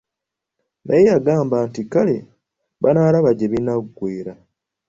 Naye yagamba nti kale, banaalaba gyebinagwera!